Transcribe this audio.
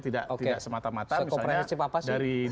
tidak semata mata misalnya